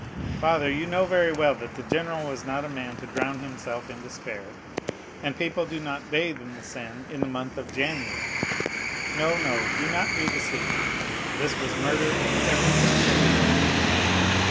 "Father, you know very well that the general was not a man to drown himself in despair, and people do not bathe in the Seine in the month of January. No, no, do not be deceived; this was murder in every sense of the word."